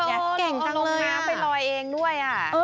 เก่งจำนะต้องไปลอยเองด้วย